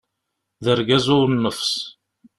D argaz u nnefṣ!